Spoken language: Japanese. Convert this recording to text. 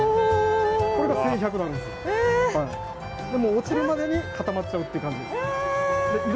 落ちるまでに固まっちゃうっていう感じです。え！？